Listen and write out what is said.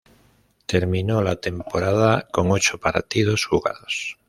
Terminó la temporada con ocho partidos jugados.